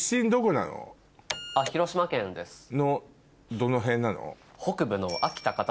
どの辺なの？